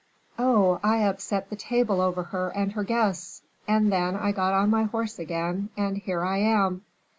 "Oh! I upset the table over her and her guests; and then I got on my horse again, and here I am."